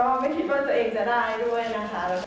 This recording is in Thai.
ไม่คิดว่าตัวเองจะได้ด้วยนะคะ